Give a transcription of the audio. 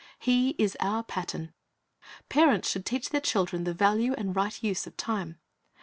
He is our pattern. Parents should teach their children the v'alue and right use of time.